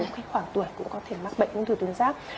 khoảng tuổi cũng có thể mắc bệnh ung thư tuyến giáp